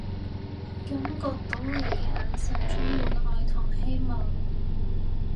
感覺到你嘅眼神充滿愛同希望